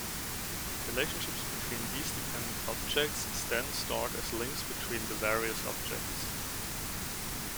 Relationships between these dependent objects is then stored as links between the various objects.